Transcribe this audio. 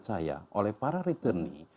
saya oleh para returnee